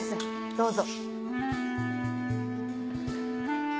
どうぞ。